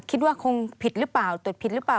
คิดว่าคงผิดหรือเปล่าตรวจผิดหรือเปล่า